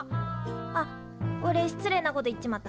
あっおれ失礼なこと言っちまった。